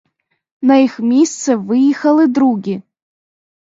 На їх місце виїздили другі.